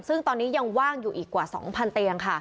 ซึ่งตอนนี้ยังว่างอยู่อีกกว่า๒๐๐เตียงค่ะ